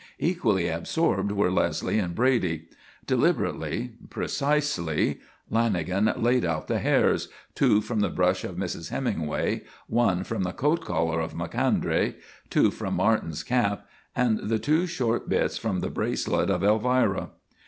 Equally absorbed were Leslie and Brady. Deliberately, precisely, Lanagan laid out the hairs two from the brush of Mrs. Hemingway, one from the coat collar of Macondray, two from Martin's cap, and the two short bits from the bracelet of Elvira.